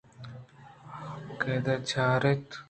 کاگدءَ چاریت